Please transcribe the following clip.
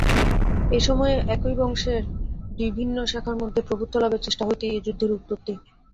এই সময়ে একই বংশের দুই বিভিন্ন শাখার মধ্যে প্রভুত্বলাভের চেষ্টা হইতেই এই যুদ্ধের উৎপত্তি।